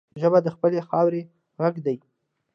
ژبه د خپلې خاورې غږ دی